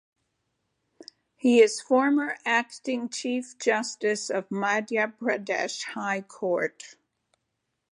He is former Acting Chief Justice of Madhya Pradesh High Court.